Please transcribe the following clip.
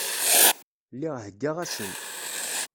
Lliɣ heggaɣ-asen.